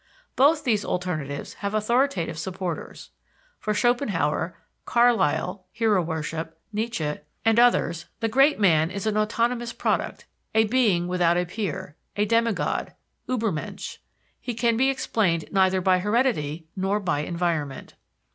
Both these alternatives have authoritative supporters. For Schopenhauer, Carlyle (Hero worship), Nietzsche, et al., the great man is an autonomous product, a being without a peer, a demigod, "Uebermensch." He can be explained neither by heredity, nor by environment.